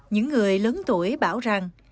những người lớn tuổi bảo rằng